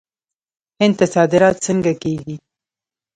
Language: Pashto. هند ته صادرات څنګه کیږي؟